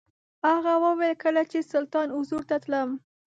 هغه وویل کله چې سلطان حضور ته تللم.